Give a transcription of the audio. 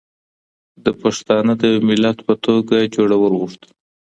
ده پښتانه د يو ملت په توګه جوړول غوښتل